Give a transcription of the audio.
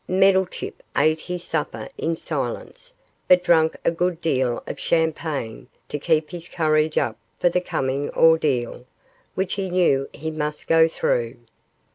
Meddlechip ate his supper in silence, but drank a good deal of champagne to keep his courage up for the coming ordeal, which he knew he must go through.